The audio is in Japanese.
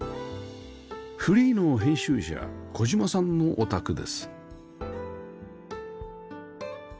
フリーの編集者小島さんのお宅です